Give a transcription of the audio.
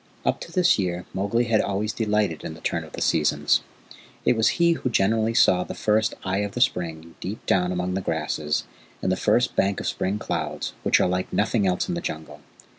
Up to this year Mowgli had always delighted in the turn of the seasons. It was he who generally saw the first Eye of the Spring deep down among the grasses, and the first bank of spring clouds, which are like nothing else in the Jungle.